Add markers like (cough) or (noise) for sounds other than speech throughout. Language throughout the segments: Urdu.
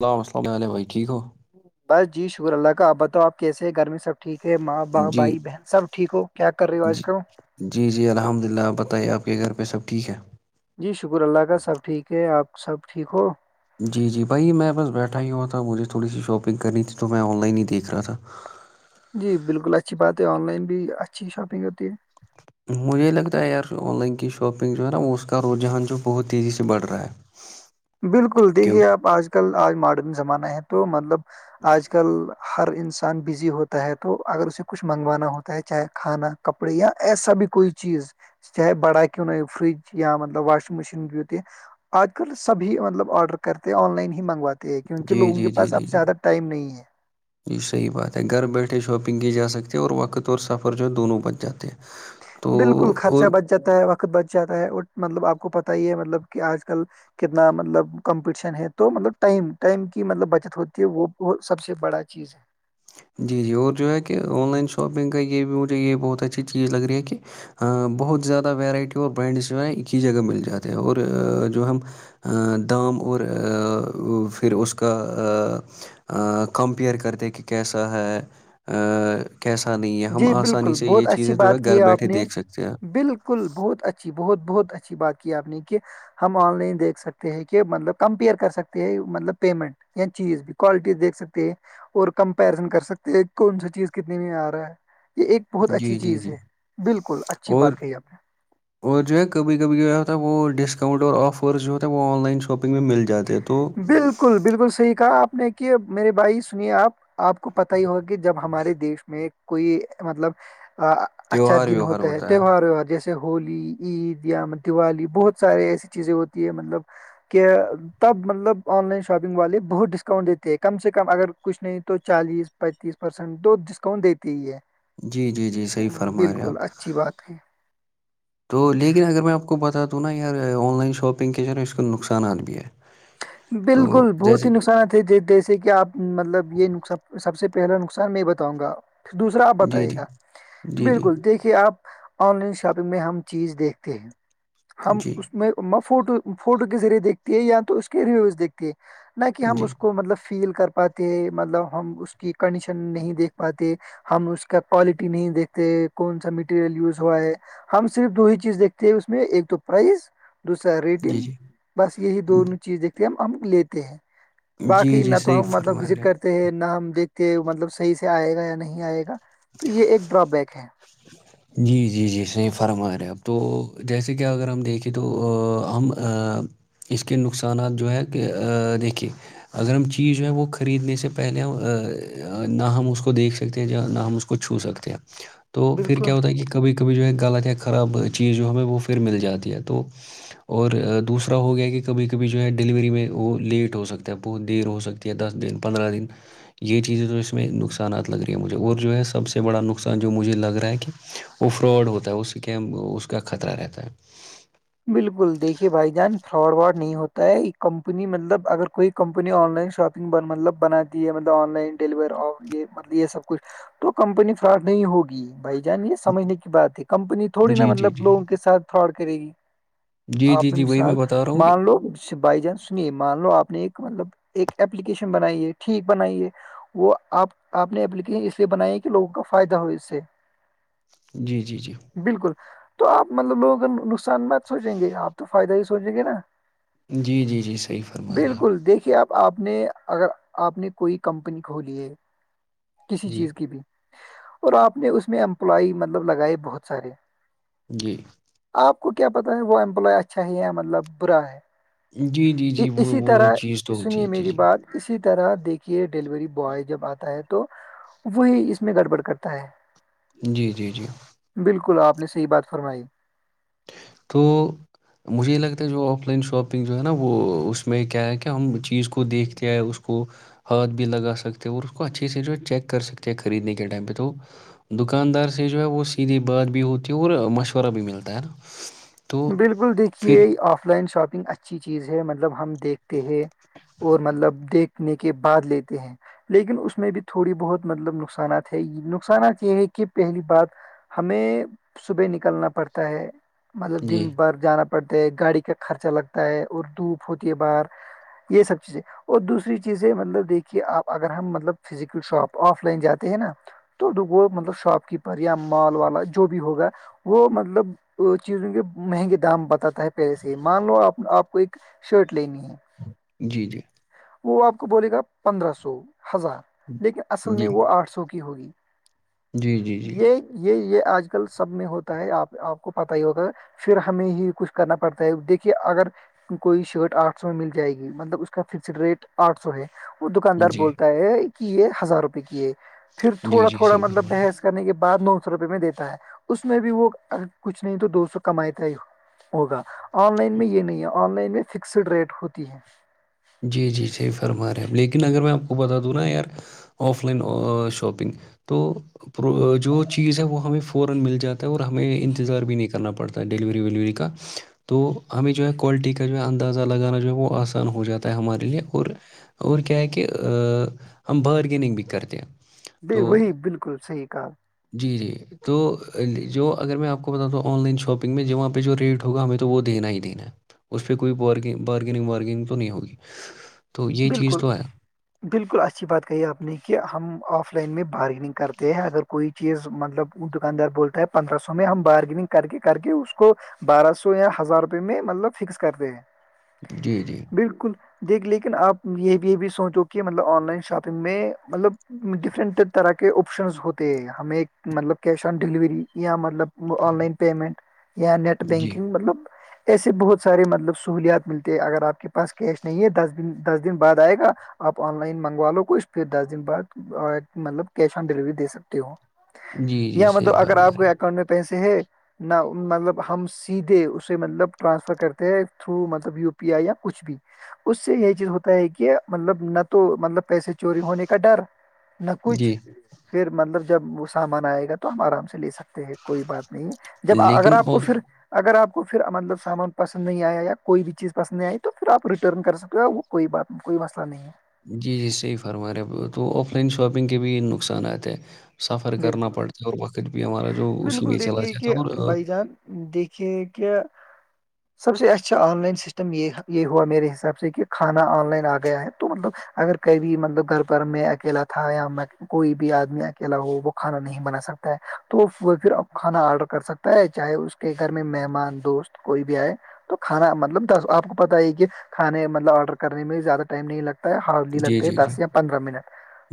کیا حال ہے بھائی ٹھیک ہو بس جی شکر اللہ کا آب بتا آپ کیسے گھر میں سب ٹھیک ہے ماں باپ جی بھائی بہن سب ٹھیک ہو کیا کر رہے ہو آج جی کروں جی جی الحمد للہ بتائیے آپ کے گھر پہ سب ٹھیک ہے جی شکر اللہ کا سب ٹھیک ہے آپ سب ٹھیک ہو جی جی بھائی میں بس بیٹھا ہی ہوا تھا مجھے تھوڑی سی شاپنگ کرنی تھی تو میں آن لائن ہی دیکھ رہا تھا جی بالکل اچھی بات ہے آن لائن بھی اچھی شاپنگ ہوتی ہے مجھے یہ لگتا ہے یار آن لائن کی شاپنگ جو ہے نا اس کا رجحان جو بہت تیزی سے بڑھ رہا ہے (inaudible) بالکل کیوں دیکھیے آپ آج کل آج ماڈرن زمانہ ہے تو مطلب آج کل ہر انسان بزی ہوتا ہے تو اگر اسے کچھ منگوانا ہوتا ہے چاہے کھانا کپڑے یا ایسا بھی کوئی چیز چاہے بڑا کیوں نہ ہو فریج یا مطلب واشنگ مشین کی ہوتی ہے آج کل سبھی مطلب آڈر کرتے ہیں آن لائن ہی منگواتے ہیں کیونکہ جی لوگوں کے پاس اب زیادہ ٹائم نہیں ہے یہ صحیح بات ہے گھر بیٹھے شاپنگ کی جا سکتی ہے اور وقت اور سفر جو ہے دونوں بچ جاتے ہیں تو بالکل اور خرچہ بچ جاتا ہے وقت بچ جاتا ہے مطلب آپ کو پت ہی ہے مطلب کہ آج کل کتنا مطلب کمپٹیشن ہے تو مطلب ٹائم ٹائم کی مطلب بچت ہوتی ہے وہ سب سے بڑا چیز ہے جی جی اور جو ہے کہ آن لائن شاپنگ کا یہ بھی مجھے یہ بہت اچھی چیز لگ رہی ہے کہ بہت زیادہ ویرائٹی اور برانڈس جو ہیں ایک ہی جگہ مل جاتے ہیں اور جو ہم دام اور پھر اس کا کمپیئر کرتے کہ کیسا ہے کیسا نہیں ہے ہم جی آسانی بالکل سے یہ بہت اچھی چیزیں جو ہے بات کی گھر آپ بیٹھے نے دیکھ سکتے ہیں بالکل بہت اچھی بہت بہت اچھی بات کی آپ نے کہ ہم آن لائن دیکھ سکتے ہیں کہ مطلب کمپیئر کر سکتے ہیں مطلب پیمنٹ چیز بھی کوالٹی دیکھ سکتے ہے اور کمپیرزن کر سکتے ہیں کون سا چیز کتنے میں آ رہا ہے یہ ایک بہت اچھی جی جی چیز جی ہے بالکل اچھی اور بات کہی آپ نے اور جو ہے کبھی کبھی جوتا ہے وہ ڈسکاؤنٹ اور آفرز جو ہو ہے وہ آن لائن شاپنگ میں ملتا بالکل بالکل صحیح کہا آپ نے کہ میرے بھائی سنیئے آپ آپ کو پت ہی ہوگا کہ جب ہمارے دیش میں کوئی مطلب اچھا دن ہوتا ہے تیوار ویوار جیسے جیسے ہولی عید یا دیوالی بہت سارے ایسی چیزیں ہوتی ہے مطلب کہ تب مطلب آن لائن شاپنگ والے بہت ڈسکاؤنٹ دیتے کم سے کم اگر کچھ نہیں تو چالیس پینتیس پرسینٹ دو ڈسکاؤنٹ دیتی ہی ہے جی جی جی صحیح ہم، فرما رہے بالکل، آپ (inaudible) تو لیکن اگر میں آپ کو بتا دوں نا یار آن لائن شاپنگ کے جو ہے نا اس کے نقصانات بھی ہے تو بالکل بہت جیسے ہی نقصانات ہیں جیسے کہ آپ مطلب یہ سب سے پہلا نقصان میں یہ بتاؤں گا دوسرا آپ جی، بتائیں جی، گا جی، بالکل دیکھیے کہ آپ آن لائن شاپنگ میں ہم چیز دیکھتے ہیں ہم جی، جی، اس میں فوٹو فوٹو کے ذریعے دیکھتی ہے یا تو اس کے ریویوز دیکھتی ہے نہ کہ ہم جی، اس کو مطلب فیل کر پاتے ہیں مطلب ہم اس کی کنڈیشن نہیں دیکھ پاتے ہم اس کے کیا کوالٹی نہیں دیکھتے کون سا میٹیریل یوز ہوا ہے ہم صرف دو ہی چیز دیکھتے ہیں اس میں ایک تو پرائز دوسرا ریٹنگ جی، بس یہی دونوں چیز دیکھتے ہیں ہم ہم لیتے ہیں جی، جی، باقی نہ جی، تو صحیح ہم مطلب فرما وزٹ رہے آپ کرتے ہیں نہ ہم دیکھتے ہیں مطلب صحیح سے آئے گا یا نہیں آئے گا تو یہ ایک ڈرابیک ہے جی جی جی صحیح فرما رہے اب تو جیسے کہ اگر ہم دیکھیں تو ہم اس کے نقصانات جو ہے کہ دیکھیے اگر ہم چیز جو ہے وہ خریدنے سے پہلے ہم نہ ہم اس کو دیکھ سکتے ہیں یا نہ ہم اس کو چھو سکتے ہیں تو پھر بالکل کیا ہوتا ہے کہ کبھی کبھی جو ہے غلط یا خراب چیز جو ہمیں وہ پھر مل جاتی ہے تو اور دوسرا ہو گیا کہ کبھی کبھی جو ہے ڈیلیوری میں وہ لیٹ ہو سکتا ہے بہت دیر ہو سکتی دیتی دس دن پندرہ دن یہ چیزیں تو اس میں نقصان لگ رہی ہیں مجھے اور جو ہے سب سے بڑا نقصان جو مجھے لگ رہا ہے کہ وہ فراڈ ہوتا ہے وہ اسکم اس کا خطرہ رہتا ہے بالکل دیکھیے بھائی جان فراڈ وارڈ نہیں ہوتا ہے ایک کمپنی مطلب اگر کوئی کمپنی آن لائن شاپنگ بن مطلب بناتی ہے مطلب آن لائن ڈیلیور اور یہ مطلب یہ سب کچھ تو کمپنی فرااب نہیں ہوگی بھائی جان یہ سمجھنے کی بات ہے کمپنی تھوڑی نا جی جی مطلب جی لوگوں کے سات فراڈ کرے گی جی آپ جی نے جی وہی میں مثال بتا رہا ہوں کہ مان لو بائی چانس سنیے مان لو آپ نے ایک مطلب ایک اپلیکیشن بنائی ہے ٹھیک بنائی ہے وہ آپ آپ نے اپلیکیشن اس لیے بنائی ہے کہ لوگوں کا فائدہ ہو اس سے جی جی جی بالکل تو آپ مطلب لوگوں کا نقصان مند سوچیں گے آپ تو فائدہ ہی سوچیں گے نا جی جی جی صحیح فرما رہیں آپ بالکل دیکھیے آپ آپ نے اگر آپ نے کوئی کمپنی کھولی ہے کسی جی چیز کی بھی اور آپ نے اس میں امپلائی مطلب لگائے بہت سارے جی آپ کو کیا پت ہے وہ امپلائے اچھا ہی ہےیا مطلب برا جی جی ہے جی وہ اسی وہ طرح چیز تو ہوتی سنیے ہے جی میری جی بات اسی طرح دیکھیے ڈیلیوری بوائے جب آتا ہے تو وہی اس میں گڑبڑ کرتا ہے جی جی جی بالکل آپ نے صحیح بات فرمائی توٹ مجھے یہ لگتا ہے جو آف لائن شاپنگ جو ہے نا وہ اس میں کیا ہے کہ ہم چیز کو دیکھتے ہیں اس کو (inaudible) دکاندار سے جو ہے وہ سیدھی بات بھی ہوتی ہے اور مشورہ بھی ملتا ہے نا تو بالکل دیکھیے پھر آف لائن شاپنگ اچھی چیز ہے مطلب ہم دیکھتے ہیں اور مطلب دیکھنے کے بعد لیتے ہیں لیکن اس میں بھی تھوڑی بہت مطلب نقصانات ہے نقصانات یہ ہے کہ پہلی بات ہمیں صبح نکلنا پڑتا ہے مطلب جی دن بھر جانا پڑتا ہے گاڑی کا خرچہ لگتا ہے اور دھوپ ہوتی ہے باہر یہ سب چیزیں اور دوسری چیزیں مطلب دیکھیے آپ اگر ہم مطلب فزیکل شاپ آف لائن جاتے ہیں نا تو وہ مطلب شاپ کیپر یا مال والا جو بھی ہوگا وہ مطلب اہ، چیزوں کے مہنگے دام بتاتا ہے پہلے سے ہی مان لو آپ کو ایک شرٹ لینی ہے جی جی وہ آپ کو بولے گا پندرہ سو ہزار لیکن اصل جی جی میں وہ آٹھ سو کی ہوگی جی جی یہ یہ یہ آج کل سب میں ہوتا ہے آپ آپ کو پتا ہوگا پھر ہمیں ہی کچھ کرنا پڑتا ہے دیکھیے اگر کوئی شرٹ آٹھ سو میں مل جائے گی مطلب اس کا فکسڈ ریٹ آٹھ سو ہے وہ دکاندار جی بولتا ہے کہ یہ ہزار روپئے کی ہے پھر جی تھوڑا جی تھوڑا صحیح مطلب فرمایا بحث کرنے کے بعد نو سو روپئے میں دیتا ہے اس میں بھی وہ کچھ نہیں تو دو سو کمائی ت ہی ہوگا آن لائن میں یہ نہیں ہے آن لائن میں فکسڈ ریٹ ہوتی ہے جی جی صحیح فرما رہ ہے ا لیکن اگر میں آپ کو بتا دوں نا یار آف لائن شاپنگ تو پر جو چیز ہے وہ ہمیں فورا مل جاتا ہے اور ہمیں انتظار بھی نہیں کرنا پڑتا ڈیلیوری ویلیوری کا تو ہمیں جو ہے کوالٹی کا جو ہے اندازہ لگانا جو ہے وہ آسان ہو جاتا ہمارے لیے اور اور کیا ہے کہ ہم بارگیننگ بھی کرتے ہیں نہیں تو وہی بالکل صحیح کہ جی جی تو جو اگر میں آپ کو بتاتا ہوں آن لائن شاپنگ میں جو وہاں پہ جو ریٹ ہوگا ہمیں تو وہ دینا ہی دینا اس پہ کوئی بار بارگنگ وارگیننگ تو نہیں ہوگی تو یہ چیز بالکل تو ہے بالکل اچھی بات کہی آپ نے کہ ہم آف لائن میں بارگننگ کرتے ہیں اگر کوئی چیز مطلب دکاندار بولتا ہے پندرہ سو میں ہم بارگیننگ کر کے کر کے اس کو بارہ سو یا ہزار روپئے میں مطلب فکس کرتے ہیں جی جی بالکل دیکھ لیکن آپ یہ یہ بھی سوچو کہ مطلب آن لائن شاپنگ میں مطلب ڈفرنٹ طرح کے آپشنز ہوتے ہیں ہمیں مطلب کیش آن ڈیلیوری یا مطلب آن لائن پیمینٹیا نیٹ جی بینکنگ مطلب ایسے بہت سارے مطلب سہولیات ملتے ہے اگر آپ کے پاس کیش نہیں ہے دس دس دن بعد آئے گا آپ آن لائن منگوا لو کچھ پھر دس دن بعد مطلب کیش آن ڈیلیوری دے سکتے ہو جی جی یا مطلب صحیح اگر فرما آپ رہے ہیں۔ کو میں پیسے ہے نہ مطلب ہم سیدھے اسے مطلب ٹرانسفر کرتے ہیں تھرو مطلب یو پی آئی یا کچھ بھی اس سے یہی چیز ہوتا ہے کہ مطلب نہ تو مطلب پیسے چوری ہونے کا ڈر نہ کچھ جی پھر مطلب جب وہ سامان آئے گا تو ہم آرام سے لے سکتے کوئی بات نہیں جب اگر لیکن آپ کو آف پھر اگر آپ کو پھر مطلب سامان پسند نہیں آیا یا کوئی بھی چیز پسند نہیں آئی تو پھر آپ ریٹرن کر سکتے ہیں تو کوئی بات کوئی مسئلہ نہیں ہے جی جی صحیح فرما رہے ہیں تو آف لائن شاپنگ کے بھی نقصانات ہیں سفر کرنا بالکل پڑتا ہے اور وقت بھی ہمارا جو اسی بالکل میں چلا دیکھیے جاتا کہ ہے اور بھائی جان دیکھیے کہ سب سے اچھا آن لائن سسٹم یہ یہ ہوا میرے حساب سے کہ کھانا آن لائن آ گیا ہے تو مطلب اگر کئی بھی مطلب گھر پر میں اکیلا تھا یا کوئی بھی آدمی اکیلا ہو وہ کھانا نہیں بنا سکتا ہے تو وہ پھر اب کھانا آرڈر کر سکتا ہے چاہے اس کے گھر میں مہمان دوست کوئی بھی آئے تو کھانا مطلب آپ کو پتتا ہی کہ کھانے مطلب آرڈر کرنے میں زیادہ ٹائم نہیں لگتا ہارلی جی لگتے ہے جی جی دس یا پندرہ منٹ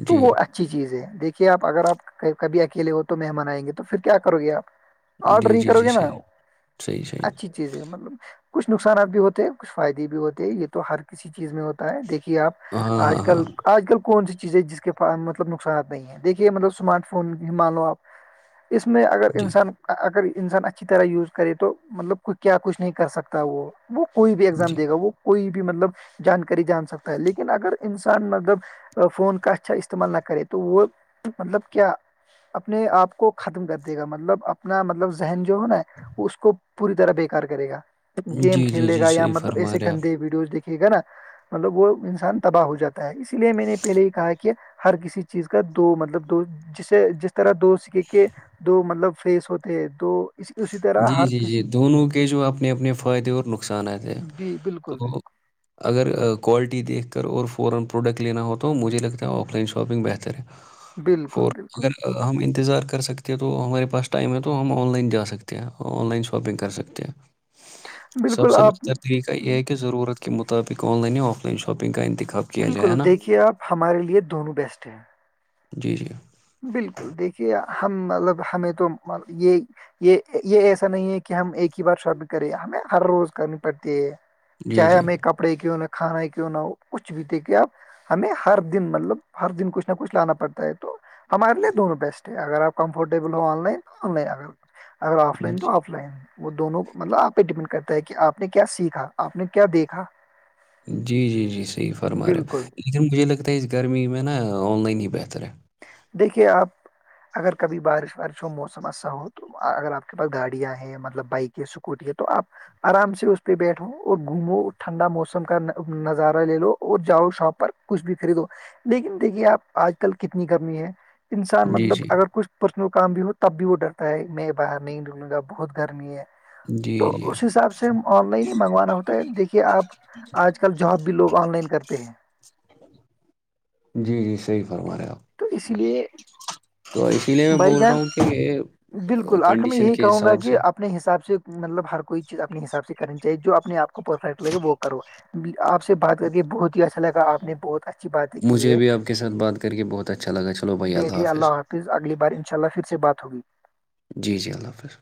تو جی وہ اچھی چیز ہے دیکھیے آپ اگر آپ کبھی اکیلے ہو تو مہمان آئیں گے تو پھر کیا کرو گے آپ آرڈر جی ہی جی کرو جی گے نا صحیح صحیح صحیح اچھی چیزیں مطلب کچھ نقصانات بھی ہوتے ہیں کچھ فائدے بھی ہوتے ہیں یہ تو ہر کسی چیز میں ہوتا ہے دیکھیے آپ ہاں آج ہاں کل ہاں آج کل کون سی چیز ہے جس کے مطلب نقصانات نہیں ہے دیکھیے مطلب اسمارٹ فون مان لو آپ اس میں اگر جی انسان اگر انسان اچھی طرح یوز کرے تو مطلب کیا کچھ نہیں کر سکتا وہ وہ کوئی بھی ایگزام جی دے گا وہ کوئی بھی مطلب جانکاری جان سکتا ہے لیکن اگر انسان مطلب فون کاسھا استعمال نہ کریں تو وہ مطلب کیا اپنے آپ کو ختم کر دے گا مطلب اپنا مطلب ذہن جو ہے نا اس کو پوری طرح بیکار کرے گا گیم جی جی کھیلے جی گا یا صحیح مطلب ایسے فرما رہے ہیں آپ گندے ویڈیوز دیکھے گا نا مطلب وہ انسان تباہ ہو جاتا ہے اسی لیے میں نے پہلے ہی کہا کہ ہر کسی چیز کا دو مطلب دو جسے جس طرح دو سکے کے دو مطلب فیس ہوتے ہیں دو اس اسی طرح جی ہر جی جی کسی دونوں کے جو اپنے اپنے فائدے اور نقصانات ہیں جی بالکل تو بالکل (unintelligible) ف بالکل بالکل ا ہم انتظار کر سکتے تو ہمارے پاس ٹائم ہے تو ہم آن لائن جا سکتے ہیں آن لائن شاپنگ کر سکتے ہیں سب بالکل سے آپ بہتر طریقہ یہ ہے کہ ضرورت کے مطابق online offline shopping کا انتخاب کیا جائے بالکل ہے نا دیکھیے آپ ہمارے لیے دونوں بیسٹ ہیں جی جی (unintelligible) بالکل دیکھیے ہم مطلب ہمیں تو یہ یہ یہ ایسا نہیں ہے کہ ہم ایک ہی بار شاپنگ کریں ہمیں ہر روز کرنی پڑتی ہے جی چاہے جی ہمیں کپڑے کیوں نہ کھانا کیوں نہ ہو کچھ بھی تھے کہ آپ ہمیں ہر دن مطلب ہر دن کچھ نہ کچھ لانا پڑتا ہے تو ہمارے لیے دونوں بیسٹ ہے اگر آپ کمفرٹیبل ہو آن لائن تو آن لائن اگر اگر آف لائن تو آف لائن (unintelligible) وہ دونوں مطلب آپ پہ ڈیپینڈ کرتا ہے کہ آپ نے کیا سیکھا آپ نے کیا دیکھا جی جی جی صحیح فرما رہے ہیں بالکل لیکن مجھے لگتا ہے اس گرمی میں نا آن لائن ہی بہتر ہے دیکھیے آپ اگر کبھی بارش وارش ہو موسم اسا ہو تو اگر آپ کے پاس گاڑیاں ہیں مطلب بائک ہے اسکوٹی ہے تو آپ آرام سے اس پہ بیٹھو اور گھومو ٹھنڈا موسم کا نظارہ لے لو اور جاؤ شاں پر کچھ بھی خریدو لیکن دیکھیے آپ آج کل کتنی گرمی ہے انسان جی مطلب جی اگر کچھ پرسنل کام بھی ہو تب بھی وہ ڈرتا ہے میں باہر نہیں نکلوں گا بہت گرمی ہے جی تو جی اس حساب سے آن لائن منگوانا ہوتا ہے دیکھیے آپ آج کل جاب بھی لوگ آن لائن کرتے ہیں جی جی صحی فرما رہے آپ تو اس لیے تو اسی لیے میں بھائی بول رہا جان ہوں کہ بالکل آخر میں کنڈیشن یہی کے کہوں گا حساب سے کہ آپ اپنے حساب سے مطلب ہر کوئی چیز اپنے حساب سے کرنی چاہیے جو اپنے آپ کو پرفیکٹ لگے وہ کرو آپ سے بات کر کے بہت ہی اچھا لگا آپ نے بہت اچھی باتیں کی مجھے ہے بھی آپ کے ساتھات کر کے بہت اچھا لگا بیٹھی اللہ حافظ اگلی بار ان شاء اللہ پھر سے بات ہوگی جی جی اللہ حافظ